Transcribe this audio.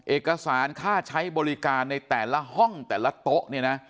เอกสารค่าใช้บริการในแต่ละห้องแต่ละโต๊ะเนี่ยนะ